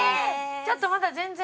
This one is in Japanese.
ちょっとまだ全然。